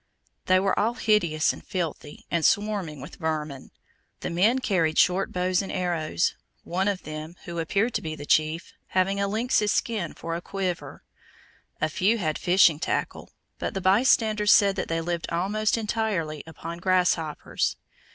They were all hideous and filthy, and swarming with vermin. The men carried short bows and arrows, one of them, who appeared to be the chief, having a lynx's skin for a quiver. A few had fishing tackle, but the bystanders said that they lived almost entirely upon grasshoppers.